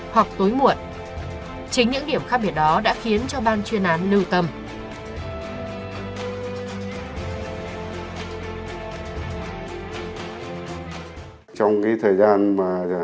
hoặc tối muộn chính những điểm khác biệt đó đã khiến cho ban chuyên án lưu tâm